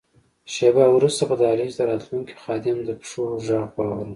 شیبه وروسته په دهلېز کې د راتلونکي خادم د پښو ږغ واورم.